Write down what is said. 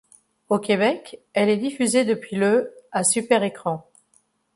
Au Québec, elle est diffusée depuis le à Super Écran.